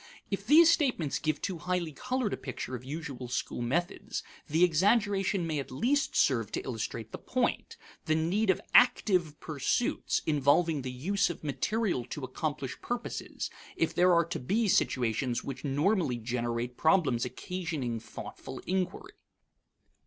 If these statements give too highly colored a picture of usual school methods, the exaggeration may at least serve to illustrate the point: the need of active pursuits, involving the use of material to accomplish purposes, if there are to be situations which normally generate problems occasioning thoughtful inquiry.